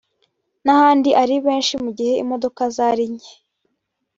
n’ahandi ari benshi mu gihe imodoka zari nke